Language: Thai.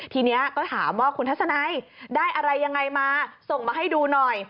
ทีนี้ก็ถามว่าคุณทัศนัยได้อะไรยังไงมาส่งมาให้ดูหน่อย